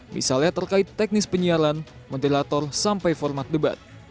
misalnya terkait teknis penyialan modelator sampai format debat